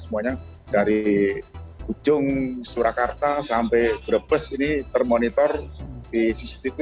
semuanya dari ujung surakarta sampai brebes ini termonitor di cctv